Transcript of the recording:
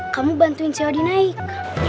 kamu bantuin seodi naik